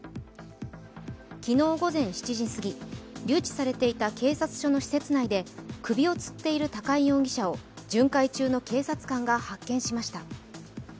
昨日午前７時すぎ、留置されていた警察署の施設内で首をつっている高井容疑者を巡回中の警察官が発見しました。